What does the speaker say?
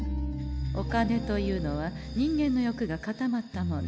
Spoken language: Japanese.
お金というのは人間の欲が固まったもの。